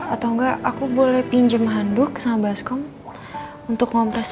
atau ngga aku boleh pinjem handuk sama baskom